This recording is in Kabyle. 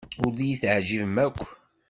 Ur iyi-teɛjibem akk.